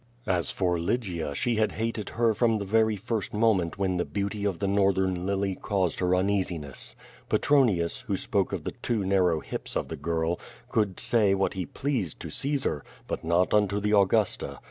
As for Lygia she had hated her from the very first moment when the beauty of the North ern lily caused her uneasiness. Petronius, who spoke of the too narrow hips of the girl, could say what he pleased to Caesar, but not unto the Augusta.